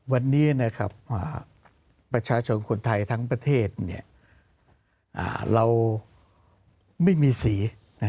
วันนี้ประชาชนคนไทยทั้งประเทศเราไม่มีสี